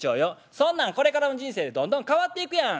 「そんなんこれからの人生でどんどん変わっていくやん」。